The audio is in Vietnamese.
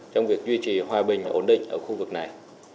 trong việc duy trì hòa bình và ổn định ở khu vực này